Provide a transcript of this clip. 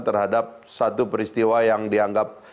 terhadap satu peristiwa yang dianggap